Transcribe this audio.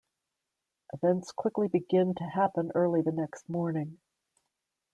Events quickly begin to happen early the next morning.